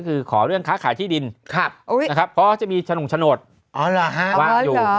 คือขอเรื่องค้าขายที่ดินนะครับเพราะจะมีฉนงโฉนดวางอยู่